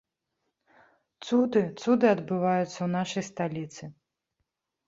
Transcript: Цуды, цуды адбываюцца ў нашай сталіцы.